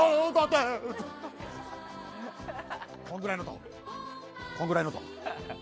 こんぐらいのと、こんぐらいのと。